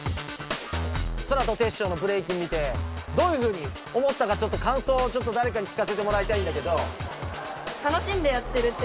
ソラとテッショウのブレイキン見てどういうふうに思ったかちょっとかんそうをちょっとだれか聞かせてもらいたいんだけど。